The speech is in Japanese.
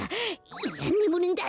いやねむるんだ！